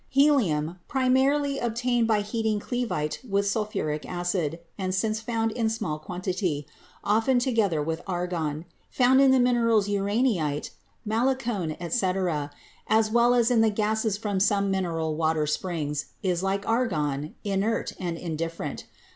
Helium, primarily obtained by heating cleveite with sul phuric acid, and since found in small quantity — often to gether with argon — in the minerals uraninite, malacone, etc., as well as in the gases from some mineral water springs, is, like argon, inert and indifferent.